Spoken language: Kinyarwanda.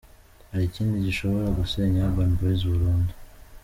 Hari ikindi gishobora gusenya Urban Boys burundu.